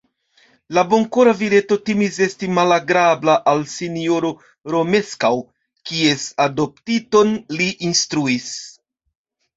La bonkora vireto timis esti malagrabla al sinjoro Romeskaŭ, kies adoptiton li instruis.